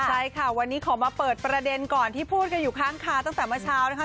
ใช่ค่ะวันนี้ขอมาเปิดประเด็นก่อนที่พูดกันอยู่ข้างคาตั้งแต่เมื่อเช้านะคะ